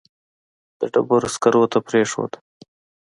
د ډبرو سکرو ته پرېښود.